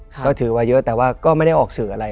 ก็ถือว่าเยอะแต่ว่าก็ไม่ได้ออกสื่ออะไร